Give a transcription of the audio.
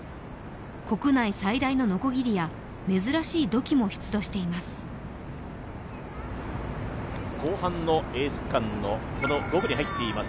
国内最大ののこぎりや珍しい土器も出土しています。